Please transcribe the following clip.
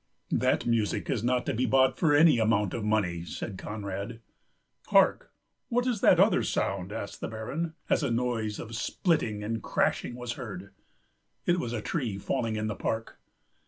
"That music is not to be bought for any amount of money," said Conrad. "Hark! What is that other sound?" asked the Baron, as a noise of splitting and crashing was heard. It was a tree falling in the park.